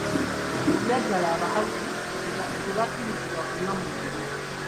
Mu bya ddala abakazi tebakirizibwa kunywa mwenge.